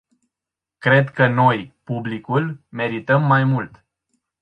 Cred că noi, publicul, merităm mai mult.